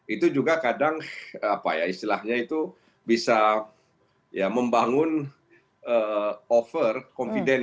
itu juga kadang istilahnya itu bisa membangun over confidence